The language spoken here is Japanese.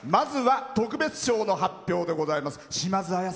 特別賞の発表でございます。